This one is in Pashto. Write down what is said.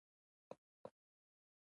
که موږ رښتیا وایو نو ټولنه اصلاح کېږي.